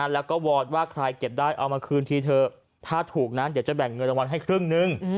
แล้วก็วอนว่าใครเก็บได้เอามาคืนทีเถอะถ้าถูกนะเดี๋ยวจะแบ่งเงินรางวัลให้ครึ่งนึง